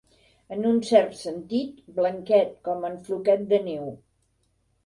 En un cert sentit, blanquet com en Floquet de Neu.